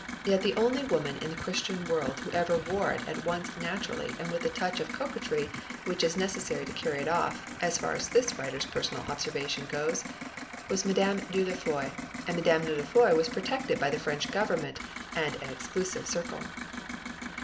Yet the only woman in the Christian world who ever wore it at once naturally and with that touch of coquetry which is necessary to carry it off, as far as this writer's personal observation goes, was Madame Dieulafoy, and Madame Dieulafoy was protected by the French government and an exclusive circle.